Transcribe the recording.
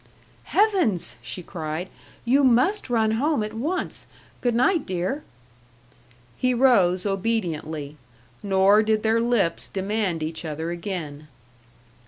"Heavens!" she cried. "You must run home at once. Good night, dear." He rose obediently, nor did their lips demand each other again.